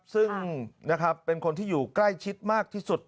ซึ่งนะครับเป็นคนที่อยู่ใกล้ชิดมากที่สุด